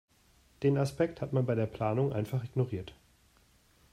Den Aspekt hat man bei der Planung einfach ignoriert.